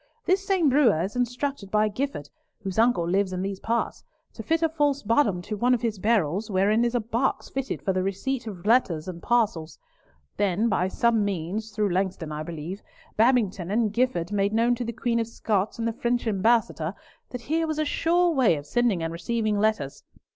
This same brewer is instructed by Gifford, whose uncle lives in these parts, to fit a false bottom to one of his barrels, wherein is a box fitted for the receipt of letters and parcels. Then by some means, through Langston I believe, Babington and Gifford made known to the Queen of Scots and the French ambassador that here was a sure way of sending and receiving letters.